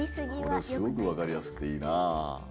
これすごくわかりやすくていいなあ。